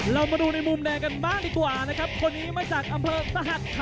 เรามาดูในมุมแดงกันมากดีกว่านะครับคนนี้มาจากอ้ำเพิร์ดสหายแห่งนี่ล่ะครับ